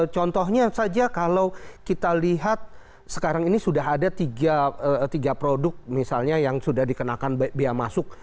contohnya saja kalau kita lihat sekarang ini sudah ada tiga produk misalnya yang sudah dikenakan biaya masuk